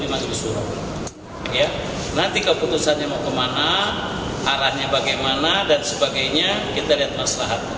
nanti keputusannya mau kemana arahnya bagaimana dan sebagainya kita lihat masalahnya